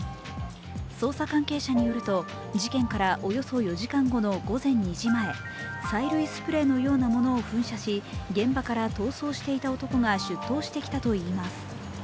捜査関係者によると、事件からおよそ４時間後の午前２時前、催涙スプレーのようなものを噴射し、現場から逃走していた男が出頭してきたといいます。